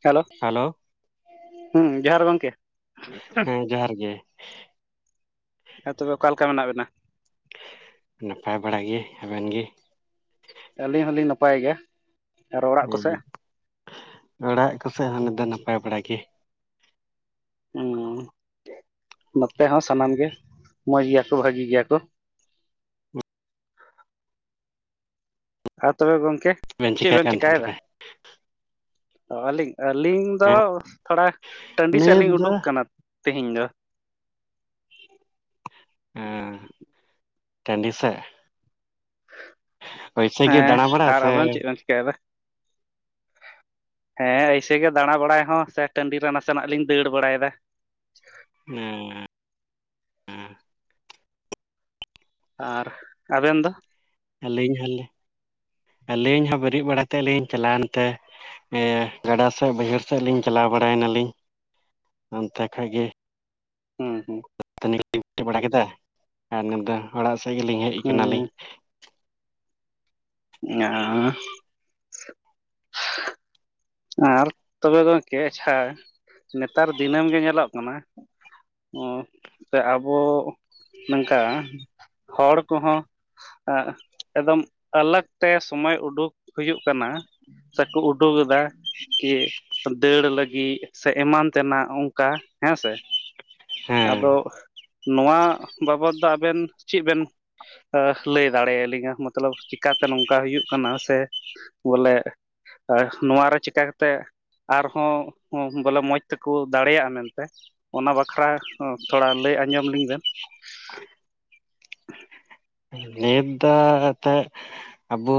Hello! Hello! ᱦᱩᱸ ᱡᱚᱦᱟᱨ ᱜᱮ ᱜᱚᱝᱠᱮ ᱾ ᱦᱮᱸ ᱡᱚᱦᱟᱨ ᱜᱮ ᱦᱮᱸ ᱛᱚᱵᱮ ᱚᱠᱟ ᱞᱮᱠᱟ ᱢᱮᱱᱟᱜ ᱵᱮᱱᱟ? ᱱᱟᱯᱟᱭ ᱵᱟᱲᱟ ᱜᱮ, ᱟᱵᱮᱱ ᱜᱮ? ᱟᱹᱞᱤᱧ ᱦᱚᱞᱤᱧ ᱱᱟᱯᱟᱭ ᱜᱮᱭᱟ ᱾ ᱦᱩᱸ, ᱚᱲᱟᱜ ᱠᱚ ᱥᱮᱫ ᱦᱚᱸ ᱱᱤᱫ ᱫᱚ ᱱᱟᱯᱟᱭ ᱵᱟᱲᱟ ᱜᱮ ᱾ ᱩᱸ ᱱᱚᱛᱮ ᱦᱚᱸ ᱥᱟᱱᱟᱢ ᱜᱮ ᱢᱚᱸᱡᱽ ᱜᱮᱭᱟ ᱠᱚ ᱵᱷᱟᱜᱤ ᱜᱮᱭᱟ ᱠᱚ ᱾ ᱟᱨ ᱛᱚᱵᱮ ᱜᱚᱝᱠᱮ ᱪᱮᱫ ᱪᱤᱠᱟᱭ ᱵᱮᱱ ᱠᱟᱱ ᱛᱟᱦᱮᱸ ᱪᱮᱠᱟᱭᱮᱫᱟ? ᱛᱚᱵᱮ ᱚ ᱟᱹᱞᱤᱧ! ᱟᱹᱞᱤᱧ ᱫᱚ ᱦᱮᱸ ᱛᱷᱚᱲᱟ ᱴᱟᱺᱰᱤ ᱥᱮᱫ ᱱᱤᱛ ᱞᱤᱧ ᱫᱚ ᱩᱰᱩᱠ ᱠᱟᱱᱟ ᱛᱤᱦᱤᱧ ᱫᱚ ᱾ ᱩᱸᱻ ᱴᱟᱺᱰᱤ ᱥᱮᱜ! ᱦᱚᱭᱥᱮ ᱜᱮ ᱫᱟᱬᱟ ᱵᱟᱲᱟ ᱥᱮ! ᱪᱮᱜ ᱦᱚ ᱵᱟ᱾ ᱦᱮᱸ ᱮᱭᱥᱮ ᱜᱮ ᱫᱟᱬᱟ ᱵᱟᱲᱟᱭ ᱦᱚᱸ ᱥᱮ ᱴᱟᱺᱰᱤ ᱨᱮ ᱱᱟᱥᱮᱱᱟᱜ ᱞᱤᱧ ᱫᱟᱹᱲ ᱵᱟᱲᱟᱭ ᱮᱫᱟ ᱾ ᱚᱸᱻ ᱟᱨ ᱟᱵᱮᱱ ᱫᱚ? ᱟᱹᱞᱤᱧ ᱦᱚᱸᱞᱮ ᱟᱹᱞᱤᱧ ᱦᱚᱸ ᱵᱮᱨᱮᱜ ᱵᱟᱲᱟ ᱛᱮᱜ ᱞᱤᱧ ᱪᱟᱞᱟᱣ ᱮᱱᱛᱮ ᱤᱭᱟᱹ ᱜᱟᱰᱟ ᱥᱮᱜ ᱵᱟᱹᱭᱦᱟᱹᱲ ᱥᱮᱫ ᱞᱤᱧ ᱪᱟᱞᱟᱣ ᱵᱟᱲᱟᱭᱮᱱᱟᱞᱤᱧ, ᱚᱱᱛᱮ ᱠᱷᱚᱡ ᱜᱮ ᱦᱩᱸ ᱦᱩᱸ ᱾ [inaudible] ᱵᱟᱲᱟ ᱠᱮᱫᱟ ᱟᱨ ᱱᱤᱛ ᱫᱚ ᱚᱲᱟᱜ ᱥᱮᱜ ᱜᱮᱞᱤᱧ ᱦᱮᱡ ᱠᱟᱱᱟ ᱞᱤᱧ ᱦᱩᱸ ᱾ ᱧᱟᱸᱜᱻ ᱟᱨ ᱛᱚᱵᱮ ᱜᱚᱝᱠᱮ ᱟᱪᱪᱷᱟ, ᱱᱮᱛᱟᱨ ᱫᱤᱱᱟᱹᱢ ᱜᱮ ᱧᱮᱞᱚᱜ ᱠᱟᱱᱟ ᱚᱸ ᱥᱮ ᱟᱵᱚ ᱱᱚᱝᱠᱟ ᱦᱚᱲ ᱠᱚᱦᱚᱸ ᱟᱸᱜ ᱮᱠᱫᱚᱢ ᱟᱞᱟᱜ ᱛᱮ ᱥᱚᱢᱚᱭ ᱩᱰᱩᱠ ᱦᱩᱭᱩᱜ ᱠᱟᱱᱟ, ᱥᱮ ᱠᱩ ᱩᱰᱩᱜ ᱮᱫᱟ ᱾ ᱠᱤ ᱫᱟᱹᱲ ᱞᱟᱹᱜᱤᱜ ᱥᱮ ᱮᱢᱟᱱ ᱛᱮᱱᱟᱜ ᱚᱝᱠᱟ ᱦᱮᱸ ᱥᱮ! ᱦᱮᱸ ᱟᱫᱚ ᱱᱚᱣᱟ ᱵᱟᱵᱚᱫ ᱫᱚ ᱟᱵᱮᱱ ᱪᱮᱜ ᱵᱮᱱ ᱟᱹ ᱞᱟᱹᱭ ᱫᱟᱲᱮᱭᱟᱞᱤᱧᱟ ᱢᱚᱛᱞᱚᱵ ᱪᱤᱠᱟᱛᱮ ᱱᱚᱝᱠᱟ ᱦᱩᱭᱩᱜ ᱠᱟᱱᱟ, ᱥᱮ ᱵᱚᱞᱮ ᱮ ᱱᱚᱣᱟᱨᱮ ᱪᱤ ᱪᱤᱠᱟᱹ ᱠᱟᱛᱮ ᱟᱨᱦᱚᱸ ᱵᱚᱞᱮ ᱢᱚᱡᱽ ᱛᱮᱠᱚ ᱫᱟᱲᱮᱭᱟᱜ-ᱟ ᱢᱮᱱᱛᱮ ᱚᱱᱟ ᱵᱟᱠᱷᱨᱟ ᱛᱷᱚᱲᱟ ᱞᱟᱹᱭ ᱟᱸᱡᱚᱢ ᱞᱤᱧ ᱵᱮᱱ ᱮᱫᱟ ᱛᱮ ᱟᱵᱚ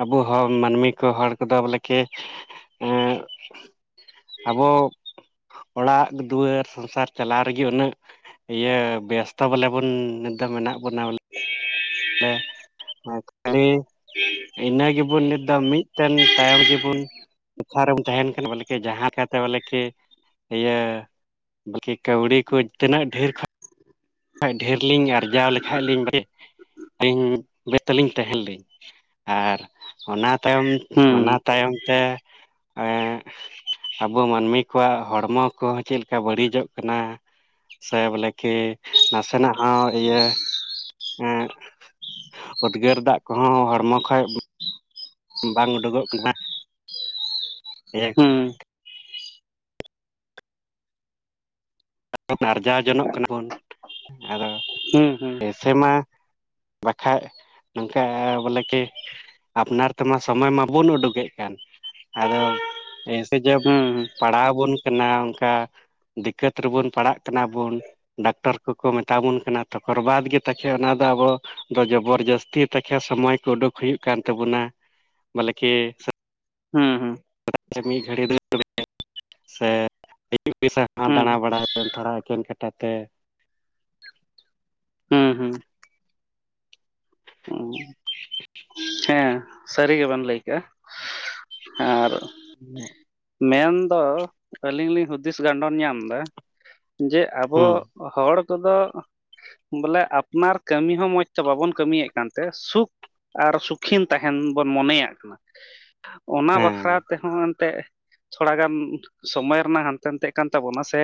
ᱟᱵᱚ ᱦᱚᱲ ᱢᱟᱹᱱᱢᱤ ᱠᱚ ᱦᱚᱲ ᱠᱚᱫᱚ ᱵᱚᱞᱮ ᱠᱤ ᱮᱸ ᱟᱵᱚ ᱚᱲᱟᱜ ᱫᱩᱣᱟᱹᱨ ᱥᱚᱝᱥᱟᱨ ᱪᱟᱞᱟᱣ ᱨᱮᱜᱮ ᱩᱱᱟᱹᱜ ᱤᱭᱟᱹ ᱵᱮᱥᱛᱚ ᱵᱚᱞᱮ ᱵᱚᱱ ᱢᱮᱱᱟᱜ ᱵᱚᱱᱟ [inaudible] [unintelligible] [inaudible] ᱤᱱᱟᱹ ᱜᱮᱵᱚᱱ ᱱᱤᱛ ᱫᱚ ᱢᱤᱫᱴᱮᱱ ᱛᱟᱭᱚᱢ ᱜᱮᱵᱚᱱ ᱞᱮᱠᱷᱟ ᱨᱮᱢ ᱛᱟᱦᱮᱱ ᱠᱟᱱᱟ ᱵᱚᱞᱮᱠᱤ ᱡᱟᱦᱟᱸ ᱞᱮᱠᱟᱛᱮ ᱵᱚᱞᱮ ᱠᱤ ᱤᱭᱟᱹ ᱵᱚᱞᱠᱤ ᱠᱟᱹᱣᱰᱤ ᱠᱚ ᱛᱤᱱᱟᱹᱜ ᱰᱷᱮᱨ ᱠᱷᱚᱱ ᱰᱷᱮᱨ ᱞᱤᱧ ᱟᱨᱡᱟᱣ ᱞᱮᱠᱷᱟᱡ ᱞᱤᱧ ᱟᱹᱞᱤᱧ ᱵᱮᱥᱛᱚ ᱞᱤᱧ ᱛᱟᱦᱮᱱ ᱞᱤᱧ ᱟᱨ ᱚᱱᱟ ᱛᱟᱭᱚᱢ ᱦᱩᱸ ᱚᱱᱟ ᱛᱟᱭᱚᱢ ᱛᱮ ᱮᱸ ᱟᱵᱚ ᱢᱟᱹᱱᱢᱤ ᱠᱚᱣᱟᱜ ᱦᱚᱲᱢᱚ ᱠᱚᱦᱚᱸ ᱪᱮᱫᱞᱮᱠᱟ ᱵᱟᱹᱲᱤᱡᱚᱜ ᱠᱟᱱᱟ ᱥᱮ ᱵᱚᱞᱮ ᱠᱤ ᱱᱟᱥᱮ ᱱᱟᱜ ᱦᱚᱸ ᱤᱭᱟᱹ ᱮᱸ ᱩᱫᱽᱜᱟᱹᱨ ᱫᱟᱜ ᱠᱚ ᱦᱚᱸ ᱦᱚᱲᱢᱚ ᱠᱷᱚᱡ ᱵᱟᱝ ᱩᱰᱩ ᱠᱚᱜ ᱠᱟᱱᱟ ᱦᱩᱸ [unintelligible] ᱟᱨᱡᱟᱣ ᱡᱚᱱᱚᱜ ᱠᱟᱱᱟ ᱵᱚᱱ ᱟᱫᱚ ᱦᱩᱸ ᱦᱩᱸ ᱮᱥᱮ ᱢᱟ ᱵᱟᱠᱷᱟᱡ ᱱᱚᱝᱠᱟ ᱵᱚᱞᱮ ᱠᱤ ᱟᱯᱱᱟᱨ ᱛᱮ ᱢᱟ ᱥᱳᱢᱚᱭ ᱢᱟ ᱵᱟᱵᱳᱱ ᱩᱰᱩᱠ ᱮᱫ ᱠᱟᱱ ᱟᱫᱚ ᱯᱮᱭᱥᱮ ᱡᱟᱹᱵᱽ ᱦᱩᱸ ᱯᱟᱲᱟᱣ ᱵᱚᱱ ᱠᱟᱱᱟ ᱚᱱᱠᱟ ᱫᱤᱠᱟᱹᱛ [unintelligible] ᱨᱮᱵᱚᱱ ᱯᱟᱲᱟᱜ ᱠᱟᱱᱟ ᱵᱚᱱ ᱰᱟᱠᱛᱟᱨ ᱠᱚ ᱠᱚ ᱢᱮᱛᱟ ᱵᱚᱱ ᱠᱟᱱᱟ ᱛᱚᱠᱷᱚᱨ ᱵᱟᱫ ᱜᱮ ᱛᱟᱠᱷᱮ ᱚᱱᱟ ᱫᱚ ᱟᱵᱚ ᱫᱚ ᱡᱚᱵᱚᱨ ᱡᱟᱹᱥᱛᱤ ᱛᱮᱠᱷᱮ ᱥᱚᱢᱚᱭ ᱠᱚ ᱩᱰᱩᱠ ᱦᱩᱭᱩᱜ ᱠᱟᱱ ᱛᱟᱵᱚ ᱱᱟ ᱵᱚᱞᱮ ᱠᱤ ᱦᱩᱸ ᱦᱩᱸ [unintelligible] ᱢᱤᱫ ᱜᱷᱟᱹᱲᱤᱡ [unintelligible] ᱥᱮ ᱟᱭᱩᱵ [unintelligible] ᱦᱩᱸ ᱫᱟᱬᱟ ᱵᱟᱲᱟᱭ [unintelligible] ᱛᱷᱚᱲᱟ ᱮᱠᱮᱱ ᱠᱟᱴᱟ ᱛᱮ ᱦᱩᱸ ᱦᱩᱸ ᱦᱩᱸ ᱦᱮᱸ ᱥᱟᱹᱨᱤ ᱜᱮ ᱵᱮᱱ ᱞᱟᱹᱭ ᱠᱟᱜᱼᱟ ᱟᱨ [unintelligible] ᱢᱮᱱ ᱫᱚ ᱟᱹᱞᱤᱧ ᱞᱤᱧ ᱦᱩᱫᱤᱥ ᱜᱟᱰᱚᱱ ᱧᱟᱢ ᱫᱟ ᱡᱮ ᱟᱵᱚ ᱦᱩᱸ ᱦᱚᱲ ᱠᱚ ᱫᱚ ᱵᱚᱞᱮ ᱟᱯᱱᱟᱨ ᱠᱟᱹᱢᱤ ᱦᱚᱸ ᱢᱚᱡᱽ ᱛᱮ ᱵᱟᱵᱚᱱ ᱠᱟᱹᱢᱤ ᱭᱮᱫ ᱠᱟᱱᱛᱮ ᱥᱩᱠ ᱟᱨ ᱥᱩᱠ ᱠᱷᱤᱱ ᱛᱟᱦᱮᱱ ᱵᱚᱱ ᱢᱚᱱᱮ ᱭᱟᱜ ᱠᱟᱱᱟ ᱚᱱᱟ ᱵᱟᱠᱷᱨᱟ ᱦᱮᱸ ᱛᱮ ᱦᱚᱸ ᱛᱮᱜ ᱛᱷᱚᱲᱟ ᱜᱟᱱ ᱥᱚᱢᱚᱭ ᱨᱮᱱᱟᱜ ᱦᱟᱱᱛᱮ ᱱᱟᱛᱮᱜ ᱠᱟᱱ ᱛᱟᱵᱚ ᱱᱟ ᱥᱮ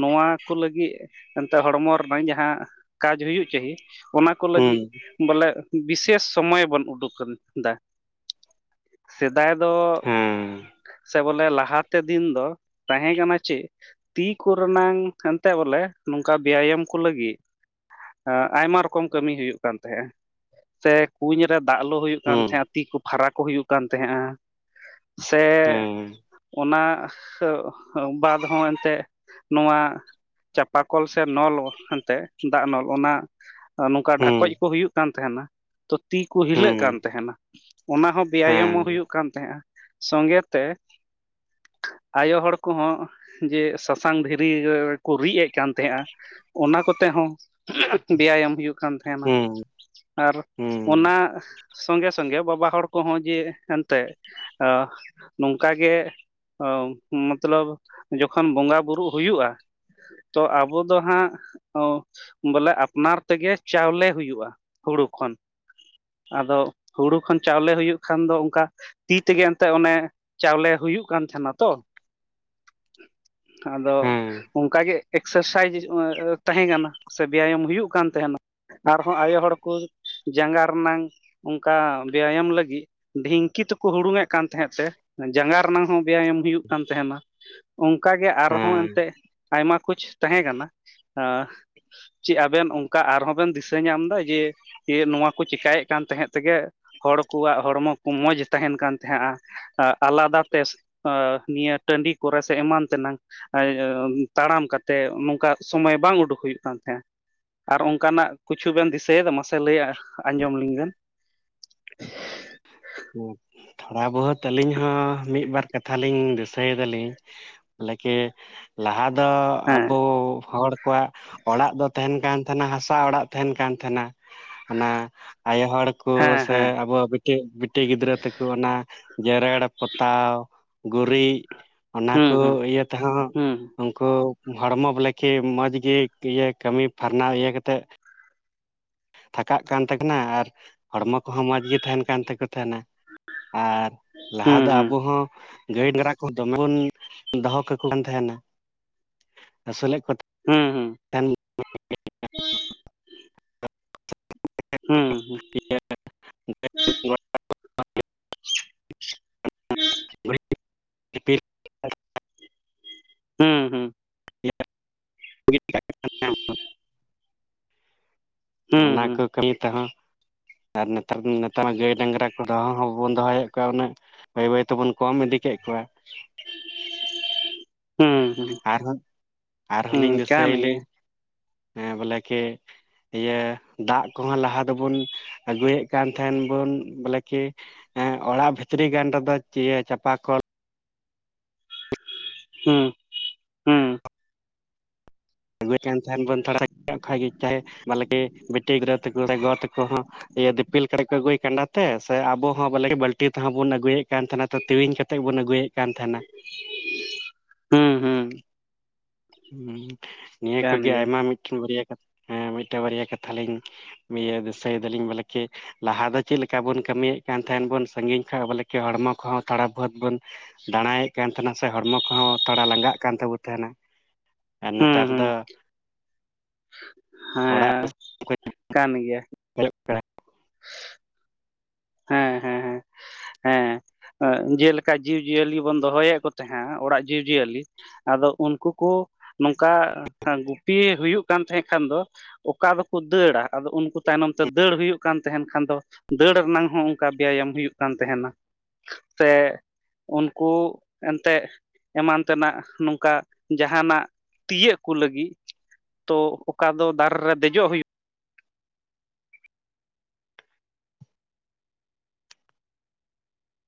ᱱᱚᱣᱟ ᱠᱚ ᱞᱟᱹᱜᱤᱫ ᱮᱱᱛᱮ ᱦᱚᱲ ᱢᱚ ᱨᱮᱱᱟᱜ ᱡᱟᱦᱟᱸ ᱠᱟᱡᱽ ᱦᱩᱭᱩᱜ ᱪᱟᱹᱦᱤ ᱚᱱᱟ ᱠᱚ ᱦᱩᱸ ᱞᱟᱹᱜᱤᱫ ᱵᱚ ᱞᱮ ᱵᱤᱥᱮᱥ ᱥᱚᱢᱚᱭ ᱵᱚᱱ ᱩᱰᱩᱠ ᱫᱟ ᱥᱮᱫᱟᱭ ᱫᱚ ᱦᱮᱸ ᱥᱮ ᱵᱚᱞᱮ ᱞᱟᱦᱟ ᱛᱮ ᱫᱤᱱ ᱫᱚ ᱛᱟᱦᱮᱸ ᱠᱟᱱᱟ ᱪᱮᱫ ᱛᱤ ᱠᱚᱨᱮ ᱱᱟᱝ ᱦᱟᱱᱛᱮ ᱵᱚ ᱞᱮ ᱱᱚᱝᱠᱟ ᱵᱮᱭᱟᱢ ᱠᱚ ᱞᱟᱹᱜᱤᱫ ᱟᱭᱢᱟ ᱨᱚᱠᱚᱢ ᱠᱟᱹᱢᱤ ᱦᱩᱭᱩᱜ ᱠᱟᱱ ᱛᱟᱦᱮᱸᱼᱟ ᱥᱮ ᱠᱩᱧ ᱨᱮ ᱫᱟᱜ ᱞᱳ ᱦᱩᱭᱩᱜ ᱠᱟᱱ ᱦᱩᱸ ᱛᱟᱦᱮᱸᱼᱟ ᱛᱤ ᱠᱚ ᱠᱷᱟᱨᱟ ᱠᱚ ᱦᱩᱭᱩᱜ ᱠᱟᱱ ᱛᱟᱦᱮᱸᱜᱼᱟ ᱥᱮ ᱦᱮᱸ ᱚᱱᱟ ᱵᱟᱫ ᱦᱚᱸ ᱮᱱ ᱛᱮᱫ ᱱᱚᱣᱟ ᱪᱟᱸᱯᱟ ᱠᱚᱞ ᱥᱮ ᱱᱚᱞ ᱮᱱᱛᱮᱜ ᱫᱟᱜ ᱱᱚᱞ ᱚᱱᱟ ᱱᱚᱝᱠᱟ ᱦᱩᱸ ᱰᱷᱟᱠᱚᱡ ᱠᱚ ᱦᱩᱭᱩᱜ ᱠᱟᱱ ᱛᱟᱦᱮᱸ ᱱᱟ ᱛᱤ ᱠᱚ ᱦᱤᱞᱟᱹᱜ ᱦᱩᱸ ᱠᱟᱱ ᱛᱟᱦᱮ, ᱱᱟ ᱚᱱᱟ ᱦᱚᱸ ᱵᱮᱭᱟᱢ ᱦᱮᱸ ᱦᱚᱸ ᱦᱩᱭᱩᱜ ᱠᱟᱱ ᱛᱟᱦᱮᱸᱜᱼᱟ ᱥᱚᱸᱜᱮ ᱛᱮ ᱟᱭᱳ ᱦᱚᱲ ᱠᱚ ᱦᱚᱸ ᱡᱮ ᱥᱟᱥᱟᱝ ᱫᱷᱤᱨᱤ ᱠᱚ ᱨᱤᱜ ᱮᱫ ᱠᱟᱱ ᱛᱟᱦᱮᱸᱜᱼᱟ ᱚᱱᱟ ᱠᱚ ᱛᱮ ᱦᱚᱸ, ᱵᱮᱭᱟᱢ ᱦᱩᱭᱩᱜ ᱠᱟᱱ ᱛᱟᱦᱮ ᱱᱟ ᱦᱩᱸ ᱟᱨ ᱦᱩᱸ ᱚᱱᱟ ᱥᱚᱸᱜᱮ ᱥᱚᱸᱜᱮ, ᱵᱟᱵᱟ ᱦᱚᱲ ᱠᱚ ᱦᱚᱸ ᱡᱮ ᱮᱱ ᱛᱮᱫ ᱟ ᱱᱚᱝᱠᱟ ᱜᱮ ᱢᱚᱛ ᱞᱚᱵ ᱡᱚᱠᱷᱚᱱ ᱵᱚᱸᱜᱟ ᱵᱩᱨᱩᱜ ᱦᱩᱭᱩᱜᱼᱟ ᱛᱚ ᱟᱵᱚ ᱫᱚ ᱦᱟᱸᱜ ᱵᱚᱞᱮ ᱟᱯᱱᱟᱨ ᱛᱮ ᱜᱮ, ᱪᱟᱣᱞᱮ ᱦᱩᱭᱩᱜᱼᱟ ᱦᱩᱲᱩ ᱠᱷᱚᱱ᱾ ᱟᱫᱚ ᱦᱩᱲᱩ ᱠᱷᱚᱱ ᱪᱟᱣᱞᱮ ᱦᱩᱭᱩᱜ ᱠᱷᱟᱱ ᱫᱚ ᱚᱱᱠᱟ ᱛᱤ ᱛᱮ ᱜᱮ ᱮᱱᱛᱮ ᱚᱱᱮ ᱪᱟᱣ ᱞᱮ ᱦᱩᱭᱩᱜ ᱠᱟᱱ ᱛᱟᱦᱮ ᱱᱟ ᱛᱚ [inaudible] ᱟᱫᱚ ᱦᱮᱸ ᱚᱱᱠᱟ ᱜᱮ ᱮᱠᱥᱟᱨ ᱥᱟᱭᱤᱡᱽ ᱛᱟᱦᱮᱸ ᱠᱟᱱᱟ, ᱥᱮ ᱵᱮᱭᱟᱢ ᱦᱩᱭᱩᱜ ᱠᱟᱱ ᱛᱟᱦᱮ ᱱᱟ ᱟᱨ ᱦᱚᱸ ᱟᱭᱳ ᱦᱚᱲ ᱠᱚ ᱡᱟᱸᱜᱟ ᱨᱮᱱᱟᱝ ᱚᱱᱠᱟ ᱵᱮᱭᱟᱢ ᱞᱟᱹᱜᱤᱫ ᱰᱷᱤᱝᱠᱤ ᱛᱮ ᱠᱚ ᱦᱩᱲᱩᱝ ᱮᱫ ᱠᱟᱱ ᱛᱟᱦᱮᱸᱫ ᱥᱮ, ᱡᱟᱸᱜᱟ ᱨᱮᱱᱟᱝ ᱦᱚᱸ ᱵᱮᱭᱟᱢ ᱦᱩᱭᱩᱜ ᱠᱟᱱ ᱛᱟᱦᱮ ᱱᱟ᱾ ᱚᱱᱠᱟ ᱜᱮ ᱟᱨ ᱦᱚᱸ ᱦᱮᱸ ᱮᱱᱛᱮᱜ ᱟᱭᱢᱟ ᱠᱩᱪ ᱛᱟᱦᱮᱸ ᱠᱟᱱᱟ ᱟ ᱪᱮᱫ ᱟᱵᱮᱱ ᱚᱱᱠᱟ ᱟᱨ ᱦᱚᱸ ᱵᱮᱱ ᱫᱤᱥᱟᱹ ᱧᱟᱢ ᱫᱟ ᱡᱮ ᱱᱚᱣᱟ ᱠᱚ ᱪᱤᱠᱟᱹᱭᱮᱫ ᱠᱟᱱ ᱛᱟᱦᱮᱸᱫ ᱛᱮ ᱜᱮ, ᱦᱚᱲ ᱠᱚᱣᱟᱜ ᱦᱚᱲᱢᱚ ᱠᱚ ᱢᱚᱡᱽ ᱛᱟᱦᱮᱱ ᱠᱟᱱ ᱛᱟᱦᱮᱸᱜᱼᱟ᱾ ᱟᱞᱟᱫᱟ ᱛᱮ ᱚ ᱱᱤᱭᱟᱹ ᱴᱟᱸᱰᱤ ᱠᱚ ᱨᱮ ᱥᱮ ᱮᱢᱟᱱ ᱛᱮᱱᱟᱝ᱾ ᱟᱻ ᱛᱟᱲᱟᱢ ᱠᱟᱛᱮ ᱱᱚᱝᱠᱟ ᱥᱚᱢᱚᱭ ᱵᱟᱝ ᱩᱰᱩᱠ ᱦᱩᱭᱩᱜ ᱠᱟᱱ ᱛᱟᱦᱮᱸᱜᱼᱟ᱾ ᱟᱨ ᱚᱱᱠᱟᱱᱟᱜ ᱠᱩᱪᱷᱩ ᱵᱮᱱ ᱫᱤᱥᱟᱹᱭᱮᱫᱟ ᱢᱟᱥᱮ ᱞᱟᱹᱭ ᱟᱸᱡᱚᱢ ᱞᱤᱧ ᱵᱮᱱ᱾ ᱛᱷᱚᱲᱟ ᱵᱚᱦᱚᱛ ᱟᱹᱞᱤᱧ ᱦᱚᱸ ᱢᱤᱫᱵᱟᱨ ᱠᱟᱛᱷᱟ ᱞᱤᱧ ᱫᱤᱥᱟᱹ ᱭᱮᱫᱟᱞᱤᱧ᱾ ᱞᱮᱠᱮ ᱞᱟᱦᱟ ᱫᱚ ᱦᱮᱸ ᱟᱵᱚ ᱦᱚᱲ ᱠᱚᱣᱟᱜ ᱚᱲᱟᱜ ᱫᱚ ᱛᱟᱦᱮᱱ ᱠᱟᱱ ᱛᱟᱦᱮᱱᱟ, ᱦᱟᱥᱟ ᱚᱲᱟᱜ ᱛᱟᱦᱮᱱ ᱠᱟᱱ ᱛᱟᱦᱮᱱᱟ᱾ ᱚᱱᱟ ᱟᱭᱚ ᱦᱚᱲ ᱠᱚ ᱦᱮᱸ ᱥᱮ ᱦᱮᱸ ᱟᱵᱚᱣᱟᱜ ᱵᱤᱴᱤ ᱵᱤ ᱴᱤ ᱜᱤᱫᱽᱨᱟᱹ ᱛᱮᱠᱚ ᱚᱱᱟ, ᱡᱮᱨᱮᱲ ᱯᱚᱛᱟᱣ, ᱜᱩᱨᱤᱡ ᱚᱱᱟ ᱦᱩᱸ ᱠᱩ ᱦᱩᱸ ᱤᱭᱟᱹ ᱛᱮᱦᱚᱸ ᱩᱱᱠᱩ ᱦᱚᱲᱢᱚ ᱵᱚᱞᱮᱠᱤ ᱢᱚᱡᱽ ᱜᱤ ᱤᱭᱟᱹ ᱠᱟᱹᱢᱤ ᱯᱷᱟᱨᱱᱟ ᱤᱭᱟᱹ ᱠᱟᱛᱮᱜ ᱛᱷᱟᱠᱟᱜ ᱠᱟᱱ ᱛᱟᱠᱤᱱᱟ ᱟᱨ, ᱦᱚᱲᱢᱚ ᱠᱚᱦᱚᱸ ᱢᱚᱸᱡᱽ ᱜᱮ ᱛᱟᱦᱮᱱ ᱠᱟᱱ ᱛᱟᱠᱩ ᱛᱟᱦᱮᱱᱟ᱾ ᱟᱨ ᱞᱟᱦᱟ ᱦᱩᱸ ᱫᱚ ᱦᱩᱸ ᱟᱵᱚ ᱦᱚᱸ ᱜᱟᱹᱭ ᱰᱟᱝᱨᱟ ᱠᱚ ᱫᱚᱢᱮ ᱵᱚᱱ ᱫᱚᱦᱚ ᱠᱟᱠᱩ ᱠᱟᱱ ᱛᱟᱦᱮᱱᱟ, ᱟᱹᱥᱩᱞᱮᱫ ᱠᱚ ᱦᱩᱸ ᱦᱩᱸ ᱛᱟᱦᱮᱱ ᱦᱩᱸ ᱦᱩᱸ ᱦᱮᱸ [inaudible] [inaudible] ᱦᱩᱸ ᱦᱩᱸ ᱦᱩᱸ [inaudible] ᱦᱩᱸ ᱚᱱᱟ ᱦᱩᱸ ᱠᱩ ᱠᱟᱹᱢᱤ ᱛᱮᱦᱚᱸ, ᱟᱨ ᱱᱮᱛᱟᱨ ᱱᱮᱛᱟᱨ ᱢᱟ ᱜᱟᱹᱭ ᱰᱟᱝᱨᱟ ᱠᱚ ᱫᱚᱦᱚ ᱦᱚᱸ ᱵᱟᱵᱚᱱ ᱫᱚᱦᱚᱭᱮᱜ, ᱠᱚᱣᱟ ᱩᱱᱟᱹᱜ᱾ ᱵᱟᱹᱭ ᱵᱟᱹᱭ ᱛᱮᱵᱚᱱ ᱠᱚᱢ ᱤᱫᱤ ᱠᱮᱜ ᱠᱚᱣᱟ᱾ ᱦᱩᱸ ᱦᱩᱸ ᱟᱨᱦᱚᱸ, ᱟᱨᱦᱚᱸ ᱦᱩᱸ ᱞᱤᱧ ᱠᱟᱱ ᱜᱮᱭᱟ ᱫᱤᱥᱟᱹᱭᱞᱤᱧ ᱦᱮᱸ ᱵᱚᱞᱮ ᱠᱮ ᱤᱭᱟᱹ, ᱫᱟᱜ ᱠᱚᱦᱚᱸ, ᱞᱟᱦᱟ ᱫᱚᱵᱚᱱ ᱟᱹᱜᱩᱭᱮᱜ ᱠᱟᱱ ᱛᱟᱦᱮᱸᱱ ᱵᱚᱱ ᱵᱚᱞᱮ ᱠᱤ ᱦᱮᱸ ᱚᱲᱟᱜ ᱵᱷᱤᱛᱨᱤ ᱜᱟᱱ ᱨᱮᱫᱚ ᱤᱭᱟᱹᱪᱟᱯᱟ ᱠᱚᱞ ᱦᱩᱸ ᱦᱩᱸ ᱟᱹᱜᱩᱭᱮᱫ ᱠᱟᱱ ᱛᱟᱦᱮᱱ ᱵᱚᱱ, ᱛᱷᱚᱲᱟ ᱠᱷᱟᱡ ᱜᱤ ᱪᱟᱦᱮ ᱵᱟᱞᱠᱤ ᱵᱤᱴᱤ ᱜᱤᱫᱽᱨᱟᱹ ᱛᱟᱠᱚ ᱥᱮ ᱜᱚ ᱛᱟᱠᱚ ᱦᱚᱸ ᱤᱭᱟᱹ ᱫᱤᱯᱤᱞ ᱠᱟᱛᱮ ᱠᱚ ᱟᱹᱜᱩᱭ ᱠᱟᱸᱰᱟ ᱛᱮ ᱥᱮ ᱟᱵᱚ ᱦᱚᱸ ᱵᱚᱞᱮ ᱵᱟᱹᱞᱴᱤ ᱛᱮᱦᱚᱸ ᱵᱩᱱ ᱟᱹᱜᱩᱭᱮᱫ ᱠᱟᱱ ᱛᱟᱦᱮᱸᱱᱟ ᱛᱮᱣᱤᱧ ᱠᱟᱛᱮᱫ ᱵᱩᱱ ᱟᱹᱜᱩᱭᱮᱜ, ᱠᱟᱱ ᱛᱟᱦᱮᱱᱟ, ᱦᱩᱸ ᱦᱩᱸ ᱾ ᱦᱩᱸ ᱱᱤᱭᱟᱹ ᱠᱟᱱ ᱠᱷᱚᱡᱜᱮ ᱜᱮᱭᱟ ᱟᱭᱢᱟ ᱢᱤᱫᱴᱮᱱ ᱵᱟᱨᱭᱟ ᱠᱟᱛᱷᱟ ᱦᱮᱸ ᱢᱤᱫᱴᱮᱱ ᱵᱟᱨᱭᱟ ᱠᱟᱛᱷᱟ ᱞᱤᱧ ᱤᱭᱟᱹ ᱫᱤᱥᱟᱹᱭ ᱫᱟᱞᱤᱧ ᱵᱚᱞᱮᱠᱤ ᱞᱟᱦᱟ ᱫᱚ ᱪᱮᱫ ᱞᱮᱠᱟ ᱵᱚᱱ ᱠᱟᱹᱢᱤᱭᱮᱜ ᱠᱟᱱ ᱛᱟᱦᱮᱸᱱ ᱵᱚᱱ ᱥᱟᱹᱜᱤᱧ ᱠᱷᱚᱱ ᱵᱚᱞᱮ ᱠᱤ ᱦᱚᱲᱢᱚ ᱠᱚᱦᱚᱸ ᱛᱷᱚᱲᱟ ᱵᱚᱦᱚᱛ ᱵᱚᱱ ᱫᱟᱬᱟᱭᱮᱜ ᱠᱟᱱ ᱛᱟᱦᱮᱱᱟ ᱥᱮ ᱦᱚᱲᱢᱚ ᱠᱚᱦᱚᱸ ᱛᱷᱚᱲᱟ ᱞᱟᱸᱜᱟᱜ ᱠᱟᱱ ᱛᱟᱵᱩ ᱛᱟᱦᱮᱱᱟ ᱾ ᱟᱨ ᱦᱩᱸ ᱱᱮᱛᱟᱨ ᱦᱩᱸ ᱫᱚ ᱚᱲᱟᱜ ᱦᱮᱸ ᱠᱟᱱ ᱜᱮᱭᱟ, [unintelligible] [unintelligible] ᱦᱮᱸ ᱦᱮᱸ ᱾ ᱦᱮᱸ ᱡᱮᱞᱮᱠᱟ ᱡᱤᱵᱽᱼᱡᱤᱭᱟᱹᱞᱤ ᱵᱚᱱ ᱫᱚᱦᱚᱭᱮᱜ ᱠᱚ ᱛᱟᱦᱮᱸᱫ ᱚᱲᱟᱜ ᱡᱤᱵᱽᱼᱡᱤᱭᱟᱹᱞᱤ, ᱟᱫᱚ ᱩᱱᱠᱩ ᱠᱚ ᱱᱚᱝᱠᱟ ᱜᱩᱯᱤ ᱦᱩᱭᱩᱜ ᱠᱟᱱ ᱛᱟᱦᱮᱸ ᱠᱷᱟᱱ ᱫᱚ, ᱚᱠᱟ ᱫᱚᱠᱚ ᱫᱟᱹᱲᱟ ᱟᱫᱚ ᱩᱱᱠᱩ ᱛᱟᱭᱱᱚᱢ ᱛᱮ ᱫᱟᱹᱲ ᱦᱩᱭᱩᱜ ᱠᱟᱱ ᱛᱟᱦᱮᱱ ᱠᱷᱟᱱ ᱫᱚ, ᱫᱟᱹᱲ ᱨᱮᱱᱟᱝ ᱦᱚᱸ ᱚᱱᱠᱟ ᱵᱮᱭᱟᱢ ᱦᱩᱭᱩᱜ ᱠᱟᱱ ᱛᱟᱦᱮᱱᱟ, ᱥᱮ ᱩᱱᱠᱩ ᱮᱱᱛᱮᱫ ᱮᱢᱟᱱ ᱛᱮᱱᱟᱜ ᱱᱚᱝᱠᱟ ᱡᱟᱦᱟᱱᱟᱜ ᱛᱤᱭᱳᱜ ᱠᱚ ᱞᱟᱹᱜᱤᱫ ᱛᱚ ᱚᱠᱟ ᱫᱚ ᱫᱟᱨᱮ ᱨᱮ ᱫᱮᱡᱚᱜ ᱦᱩᱭᱩᱜ